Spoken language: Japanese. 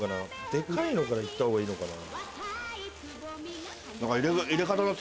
でかいのからいった方がいいのかな。